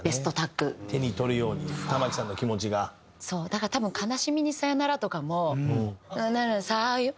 だから『悲しみにさよなら』とかも「さよ」